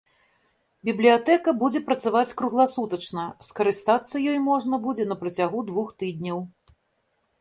Бібліятэка будзе працаваць кругласутачна, скарыстацца ёй можна будзе на працягу двух тыдняў.